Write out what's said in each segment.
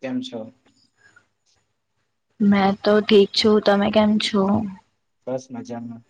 કેમ છો? મેં તો ઠીક છું, તમે કેમ છો? બસ મજામાં.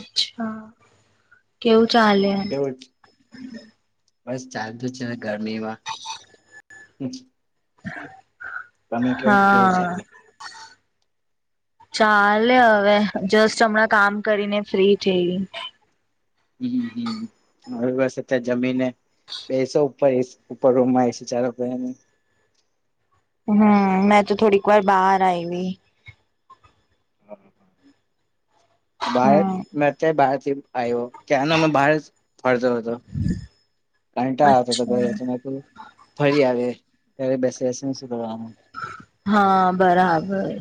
અચ્છા કેવું ચાલે? કેવું બસ ચાલતું છે ને ગરમીમાં હમ્મ. તમે ક્યો કેવું હા. ચાલે? ચાલે હવે, જસ્ટ હમણાં કામ કરીને ફ્રી થઈ. હમ્મ, હમ્મ, હવે બસ અત્યારે જમીને બેસો ઉપર એસ ઉપર રૂમમાં એ સી ચાલુ કરીને. હમ્મ, મેં તો થોડીક વાર બહાર આયવી. બાર હમ મે તે બારથી આયવો. ક્યારનો મે બહાર સ ફરતો હતો. કંટાળો આવતો તો ઘરે અચ્છા તો મે કુ ફરી આવે. ત્યારે બેસે સ, સુ કરવાનું? હા બરાબર.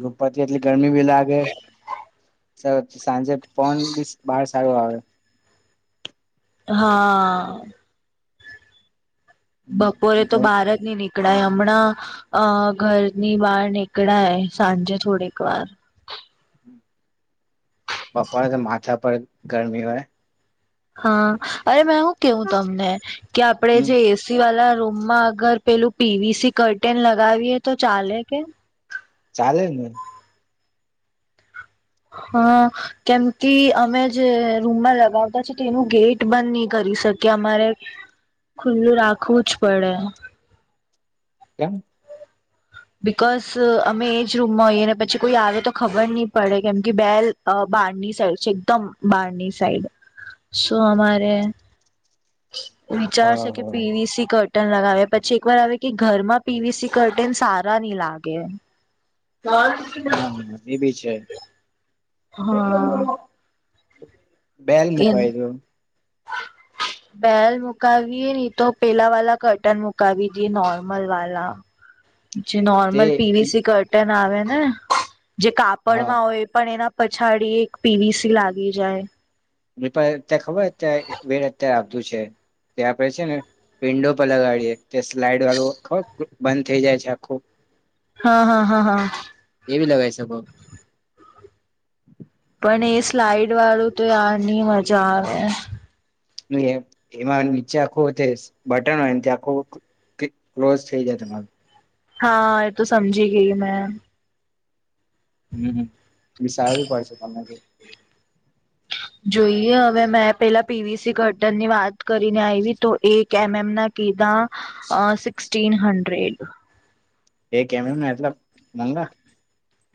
ગપાતી એટલી ગરમી લાગે ચ સાંજે ફોન બીસ બાર સારું આવે હા. બપોરે તો બહાર જ ની નીક ળાય હમણાં અ ઘરની બહાર નીકળાય સાંજે થોડીક વાર બોપોરે તો માથા પર ગરમી હોય. હા અરે મે હું કેવું તમને કે આપડે હમ જે એસી વાલા રૂમમાં અગર પેલું પીવીસી કરટેન લગાવીએ તો ચાલે કે? ચાલે ને. હા કેમ કે અમે જે રૂમમાં લગાવતા છી તેનું ગેટ બંધ નહી કરી શકીએ અમારે ખુલ્લું રાખવું જ પડે. કેમ? બિકોઝ અમે એજ રૂમમાં હોઈએ ને પછી કોઈ આવે તો ખબર નહી પડે કેમ કે બેલ બારની સાઈડ છે એકદમ બારની સાઈડ શો અમારે હા વિચારશે કે હા પીવીસી કર ટન લગાવ્યા પછી એક વાર આવે કે ઘરમાં પીવીસી કરટન સા રા ની લાગે. જય હા. બેલ એમ મુકાય દો- બેલ મુકાાવએ નહી તો પહેલા વાલા કરટન મુકાાવી દીએ નારર્મલ વાલા જે તે normal P V C curtain આવે ને જે હા કાપડમાં હોય પણ એના પછાડી એક પી વી સી લાગી જાય. [unintelligible] ત્યાં ખબરં એક વેડ અત્યારે આપતું છે ત્યાં આપડે છે ને વિન્ડો પર લગાડીએ. તે સ્લાઈડ વાળું ખત બંધ થઈ જાય છે આખું. હા, હા, હા, હા. એવી લગઈ શકો. અને એ સ્લાઈડ વાળું તો યાર ની મજા આવે. એમાં નીચે આખું જે બટન હોય આખું ક્લિ ક્લોઝ થઈ જાય તમારું. હા એ તો સમજી ગઈ મે. હમ્મ વિસારવું પડશે તમને બી. જોઈએ હવે મેં પેલા પી વી સી કર્ટનની વાત કરીને આયવી તો, એક એમ એમ ના કીધા અ સિક્સટીન હંડ્રેડ. એક એમ એમના, એટલા મંગા.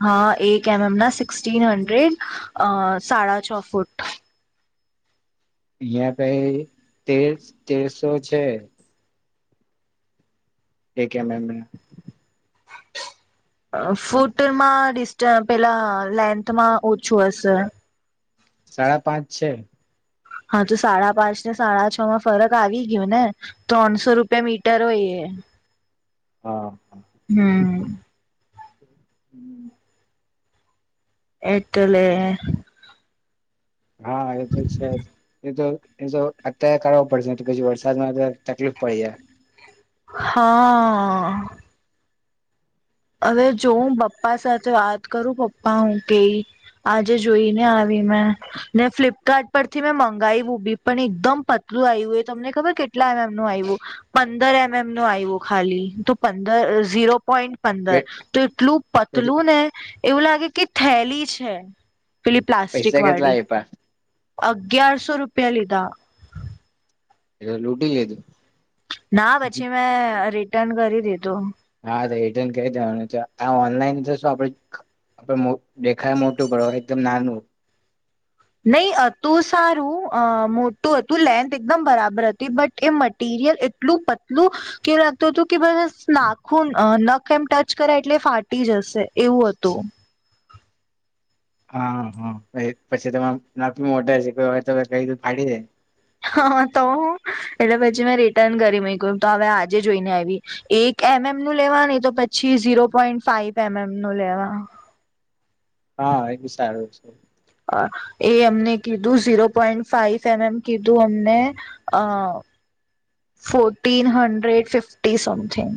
હા, એક એમ એમના સિક્સટીન હન્ડ્રેડ અ સાડા છ ફૂટ. અહિયાં કઈ તેર સ તેરસો છે. એક એમ એમના. અ ફૂટમાં ડિસ્ટ પેલા લેન્થમાં ઓછું હશે. સાડા પાંચ છે. હા, તો સાડા પાંચ ને સાડા છ માં ફરક આવી ગ્યો ને ત્રણસો રૂપિયા મીટર હોય એ. હા હમ્મ. એટલેે હા, એ તો છે જ એતો એ તો અત્યારે કરવો પડશે નય તો પછી વરસાદમાં તો તકલીફ પડી જાય. હા. હવે જોઉં બપ્પા સાથે વાત કરું. પપ્પા હું કેય, આજે જોઈને આવી મેં ને ફ્લિપકાર્ટ પરથી મેં મંગાયવું બી પણ એકદમ પતલું આયવું એ તમને ખબર કેટલા એમ એમ નું આયવું પંદર એમ એમ નું આયવું ખાલી. તો પંદર ઝીરો પોઈન્ટ પંદર એટ તો એટલું પતલું એટલે ને એવું લાગે કે થેલી છે. પેલી પ્લાસ્ટિક પૈસા કેટલા વાળી. આપ્યા અગિયારસો રૂપિયા લીધા. એ તો લૂટી લીધું. ના પછી મે રી રિટર્ન કરી દીધો. હા તો રીટર્ન કરિ દેવાનું આ ઓનલાઈન તો શું આપડ દેખાય મોટું પડે એકદમ નાનું. નહી હતું સારું અ મોટું હતું લેન્થ એકદમ બરાબર હતી બટ એ મટીરિયલ એટલું પતલું, કેવું લાગતું હતું કે બસ નાખું નખ એમ ટચ કરાય એટલે ફાટી જશે એવું હતું. હા હા પછી તમા ના મોટા છે કઈ ફાડી દે. હા તો, એટલે પછી મેં રિટર્ન કરી મક તો હવે આજે જોઈ ને આવી, એક એમ એમ નું લેવા નહી તો પછી zero point five M M નું લેવા. હા એ બ સારું છે. એ અમને કીધું zero point five M M કીધું અમને, અ ફોર્ટીન હન્ડ્રેડ ફિફ્ટી સમથિંગ.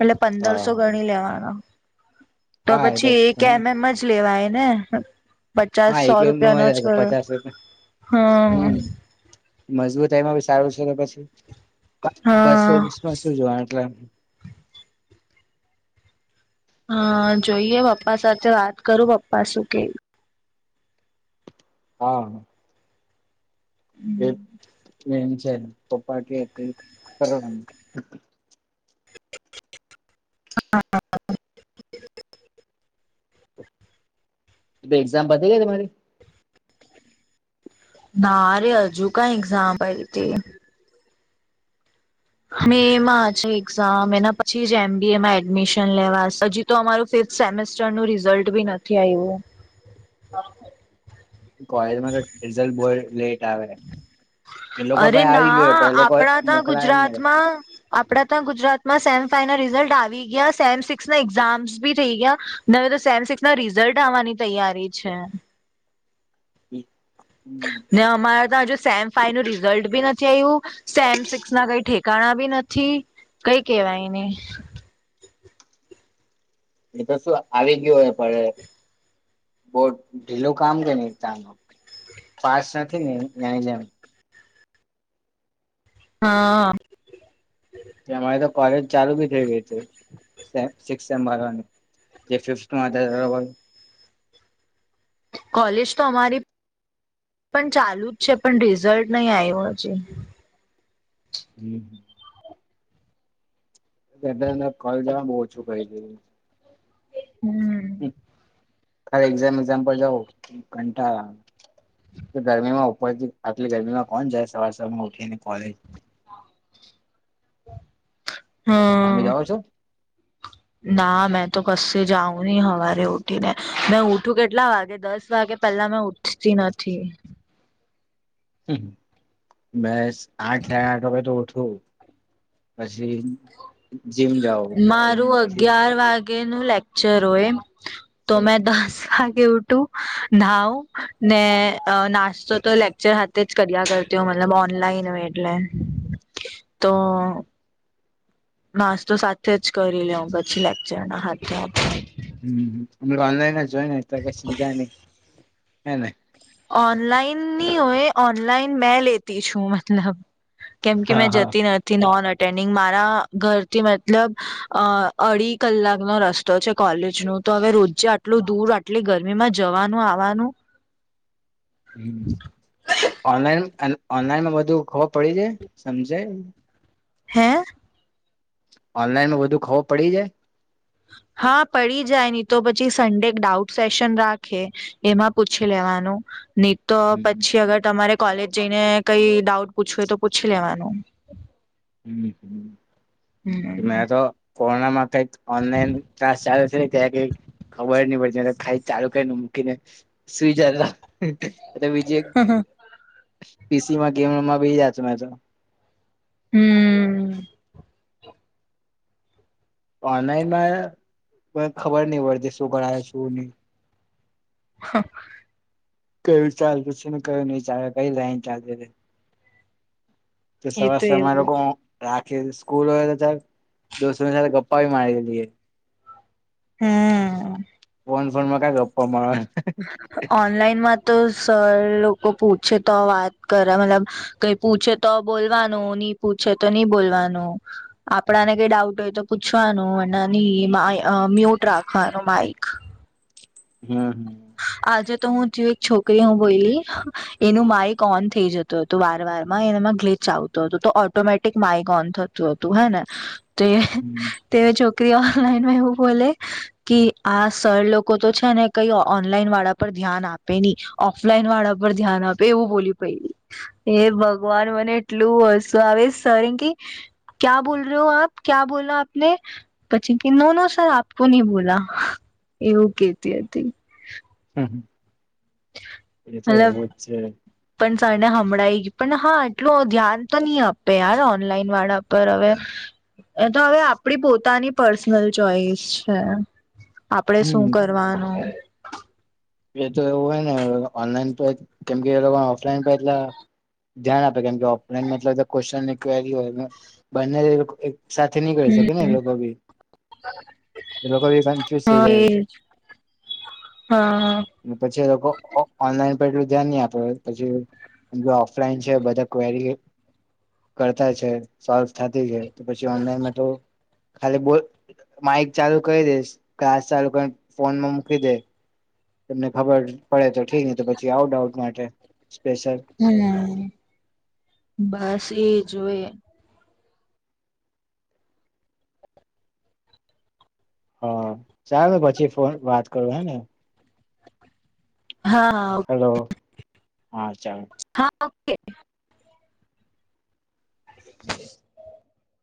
એટલે હા પંદરસો ગણી લેવાનો. તો પછી એ કે એમ એમ જ લેવાય. ને. પચાસ હા સો એક એમ રૂપિયાનો છ, પચાસ રૂપિયા હમ. મજબૂત એમાં બી સારું છેને પછી. બસો હા માં શું જોવા એટલે. હા જોઈએ પપ્પા સાથે વાત કરું પપ્પા શું કેય. હા. એ [unintelligible] પપ્પા કે તે કરવાનું. હા [unintelligible] એક્ઝામ પતિ ગઈ તમારી? ના રે હજુ કઈ એક્ઝામ પતી મેમાં એક્ઝામ એના પછી જ એમબી એમાં એડમિશન લેવા હજી તો અમાર ફિફ્થ સેમેસ્ટર નું રિઝલ્ટ બી નથી આવ્યું કોલેજમાં રિઝલ્ટ બો લેટ આવે એ લોકો અરે પાહે આવી ગયો હો ના પણ એ લોકો આપણા ત્યાં મોકલાવે ની ગુજરાતમાં આપડા ત ગુજરાતમાં સેમ ફાઈનલ રિઝલ્ટ આવી ગયા સેમ સિક્સ ના એક્ઝામ્સ બી થઇ ગયા ન હવે તો સેમ સિક્સ ના રિઝલ્ટ આવવાની તૈયારી છે હમ્મ ને અમારે તા હજુ સેમ ફાઈ નું રિઝલ્ટ બી નથી નથી આયવું સેમસેક્સ ના કઈ ઠેકાણા બી નથી કઈ કેવાયની એ તો શું આવી ગયું પડે બહુ ઢીલું કામ કે ની તા પાાસ નથી ને ત્યાંને હા અમારી તો કોલેજ ચાલુ બી થઈ ગઈ છે કોલેજ તો અમારી પણ ચાલુ જ છે પણ રિઝલ્ટ નહી આવ્યું હજી હમ્મ એટલેજ ને મે કૉલેજ મા બહ ઓછું કરી દ [inaudible] હમ્મ ખરે એક્ઝામ એક્ઝામ પર જવ કંઠાળ ગરમીમાં ઉપરથી આટલી ગરમીમાં કોણ જાય સવારમાં ઉઠીને કોલેજ તમે હમ્મ જાઓ છો? ના મે તો કશે જાઉં નહી હવારે ઉઠી ને મેં ઉઠું કેટલા વાગે દસ વાગે પેલા મેં ઉઠતી નથી હમ્મ મે આઠ સાડા આઠ વાગે તો ઉઠું પછી જીમ જાવ મારું જીમથી અગિયાર વાગે કે નું લેક્ચર હોય તો મેં દસ વાગે ઉઠું નાવ ને નાસ્તો તો લેક્ચર હાથે જ કર્યા કરતી હો મતલબ કે ઓનલાઈન હોય એટલે તો માસ તો સાથે જ કરી લેઉ પછી લેક્ચર ના હાથે આપ ત અઓનલાઇની જો તો કશ જાને હેને. ઓનલાઇન નિ હોય ઓનલાઇન મેં લેતી છું મતલબ. કેમ કે હા મેં હા જતી નથી નોન ડેનિગ મારા ઘરથી મતલબ, અ અઢી કલાક નો રસ્તો છે કોલેજ નું તો હવે રોજે આટલું દૂર આટલી ગરમીમાં જવાનું આવવાનું હ, ઓનલાઈન ઓનલાઈનમાં બધું ખબર પડી જાય સમજે? હે. ઓનલાઈન વધુ ખબર પડી જાય? હા પડી જાય નની તો પછી સન્ડે એક ડાઉટ સેશન રાખે, એમાં પૂછી લેવાનું. નહી તો હમ પછી અગર તમારે કોલેજ જઈને કઈ ડાઉટ પૂછવું હોય તો પૂછી લેવાનું. હ, મેં હમ તો કોનામાં ક ઓનલાઈન ક્લાસ ચાલે છે ત્યાં કઈ ખબર નહી પડતી. ખાઈ ચાલુ કરીને મૂકીને, સૂઈ જતો. એ વિજય પીસી માં ગેમ રમવા બે જત મે તો. હમ ઓનઈમાં પણ ખબર નહ [unintelligible] ભણાય શું નહી. હા કયું ચલે પૂછીને કયું નહી ચાલે કઈ લાઈન ચાલતી હતી. તો એ સવાર સવાર માં એવું લોકો જ રાખ ક્યારે સ્કૂલ હોય તો જરાક દોસ્ સાથે ગપ્પા ભી મારે હકીએ. હમ ફોન ફોનમાં ક્યાં ગપ્પા મારવાના ઓનલાઈન માં તો સર લોકો પૂછ છે તો વાત કર મતલબ કઈ પૂછે તો બોલવાનું, નહી પૂછે તો નહી બોલવાનું, આપણાને કઈ ડાઉટ હોય તો પૂછવાનું અને નહી મા મ્યુટ રાખવાનું માઈક. આજે હમ તો હું જે એક છોકરી હું બોલી એનું માઈક ઓન થઈ જતું હતું વાર વાર એમાં ગ્લચ આવતું હતોું તો ઓટોમેટિક માઈક ઓન થતું હતું હે ને તે હમ તે જો કોઈ ઓનલાઈનમાં એવું બોલે કે આ સર લોકો તો છે ને કઈ ઓનલાઈન વાળા પર ધ્યાન આપે નહી ઓફલાઈન વાળા પર ધ્યાન આપે એવું બોલ્યું પડી એ ભગવાન મને એટલું હસું આવે સર એન કે ક્યા બોલ રહ્યો આપ, ક્યા બોલા આપને પછી કે નો નો સર આપ નહી બોલા, એવું કેતી હતી. હમ એ તો મતલબ એવું જ છે. પણ સરને હમળાવી ગઈ પણ હા એટલું ધ્યાન તો નહી આપે યાર ઓનલાઈન વાળા પર હવે. એ તો હવે આપડી પોતાની. પર્સનલ ચોઈસ છે. આપડે શું હમ કરવાનું. એ તો એવું હોય ને ઓનલાન કેમ ઓફલાઈન એટ ધ્યાન આપે કેમકે ઓફલાન્ રીય બને. સાથે નીકળી શકે ને એ લોકો ભી લોકો બી કન્ફ્યુઝ થઈ હા જાય. એજ હા પછી એ લોકો ઓનલાઈન. એટલું ધ્યાન નહી આપે પછી ઓફલાઈન છે બધા ક્રી કરતા છે સોવ થતી છે પછી ઓનલાઈન તો ખાલી માઇક ચાલુ કરી દેશ ક્લાસ ચાલુ કરી ફોનમાં મૂકી દે. તમને ખબર પડે તો ઠ ને તો પછી આઉટ આઉટ માટે. સ્પેશલ હમ્મ બસ એ. જોએ. હા ચાલ પછી ફોન વાત કરું હે ને. હા ઓકે. હેલો હા ચાલ. હા ઓકે. [inaudible]